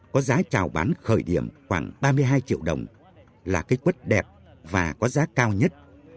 có giá trào bán khởi điểm khoảng ba mươi hai triệu đồng là cây quất đẹp và có giá cao nhất